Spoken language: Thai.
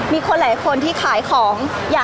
พี่ตอบได้แค่นี้จริงค่ะ